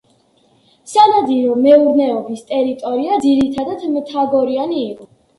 სანადირო მეურნეობის ტერიტორია ძირითადად მთაგორიანი იყო.